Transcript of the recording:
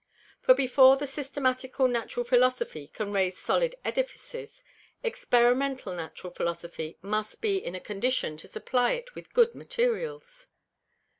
For before the Systematical Natural Philosophy can raise solid Edifices; Experimental Natural Philosophy must be in a condition to supply it with good Materials.